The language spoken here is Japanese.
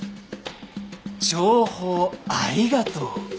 情報ありがとう。